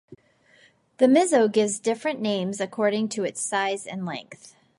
The Mizo gives different names according to its size and length.